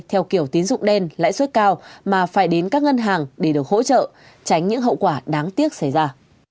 theo kiểu tín dụng đen lãi suất cao mà phải đến các ngân hàng để được hỗ trợ tránh những hậu quả đáng tiếc xảy ra